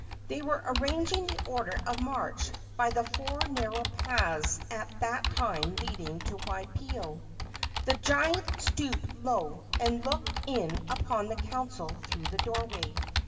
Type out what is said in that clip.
They were arranging the order of march by the four narrow paths at that time leading to Waipio. The giant stooped low and looked in upon the council through the doorway.